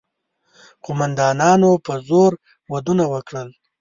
قوماندانانو په زور ودونه وکړل.